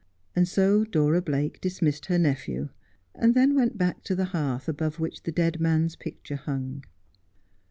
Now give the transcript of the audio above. And so Dora Blake dismissed her nephew, and then went back to the hearth above which the dead man's picture hung.